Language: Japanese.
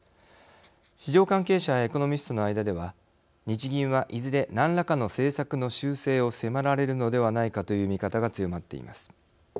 市場関係者やエコノミストの間では日銀は、いずれ何らかの政策の修正を迫られるのではないかという見方が強まっています。